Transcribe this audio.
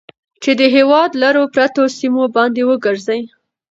چې د هېواد لرو پرتو سيمو باندې وګرځي.